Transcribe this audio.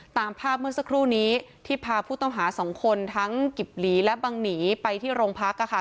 ตามภาพเมื่อสักครู่นี้ที่พาผู้ต้องหาสองคนทั้งกิบหลีและบังหนีไปที่โรงพัก